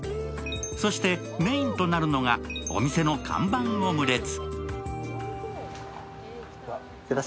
そして、メインとなるのがお店の看板オムレツ。